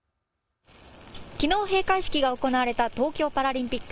きのう閉会式が行われた東京パラリンピック。